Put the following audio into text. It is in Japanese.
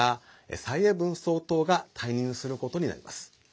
蔡英文総統が退任することになります。